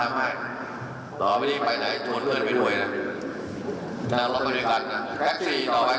อ่ะนายยกถามว่าถ้าใช้มาตรการเด็ดขาดประชาชนโอ้โหมันก็ไม่มีความคิดว่าจะต้องการแบบนี้